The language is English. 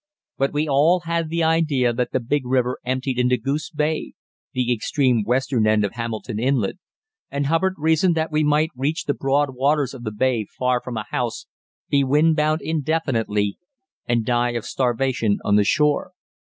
But we all had the idea that the "big river" emptied into Goose Bay (the extreme western end of Hamilton Inlet), and Hubbard reasoned that we might reach the broad waters of the bay far from a house, be windbound indefinitely and die of starvation on the shore.